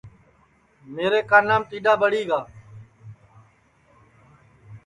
میرے کانام ٹیڈؔا ٻڑی گا